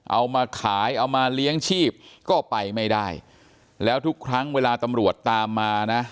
เอามาขายเอามาเลี้ยงชีพก็ไปไม่ได้แล้วทุกครั้งเวลาตำรวจตามมานะ